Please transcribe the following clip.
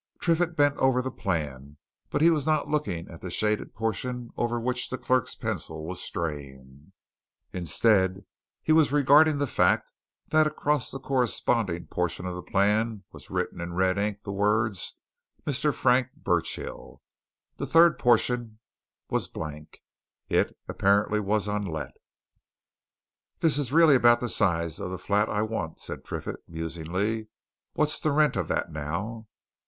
Triffitt bent over the plan. But he was not looking at the shaded portion over which the clerk's pencil was straying; instead he was regarding the fact that across the corresponding portion of the plan was written in red ink the words, "Mr. Frank Burchill." The third portion was blank; it, apparently, was unlet. "That is really about the size of flat I want," said Triffitt, musingly. "What's the rent of that, now?"